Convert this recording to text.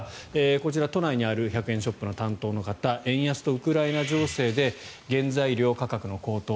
こちら都内にある１００円ショップの担当の方円安とウクライナ情勢で原材料価格の高騰